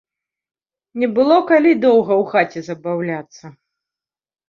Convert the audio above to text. Не было калі доўга ў хаце забаўляцца.